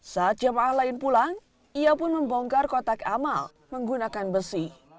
saat jemaah lain pulang ia pun membongkar kotak amal menggunakan besi